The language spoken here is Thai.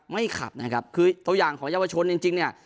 ไม่ขับนะครับคือตัวอย่างของเยาวชนจริงเนี่ย